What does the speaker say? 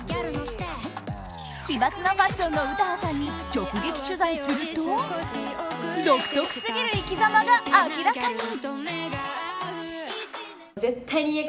奇抜なファッションの詩羽さんに直撃取材すると独特すぎる生きざまが明らかに。